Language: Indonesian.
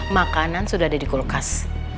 makanan sudah ada di kulkas